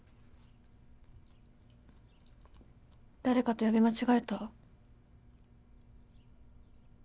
誰かと呼び間違えた？